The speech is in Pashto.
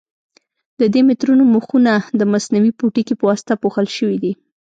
د دې مترونو مخونه د مصنوعي پوټکي په واسطه پوښل شوي دي.